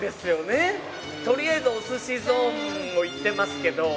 とりあえずお寿司ゾーンをいってますけど。